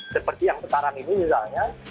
seperti yang sekarang ini misalnya